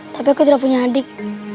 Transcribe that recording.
tapi aku tidak punya adik